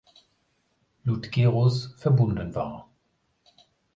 Ludgerus verbunden war.